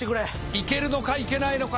行けるのか行けないのか？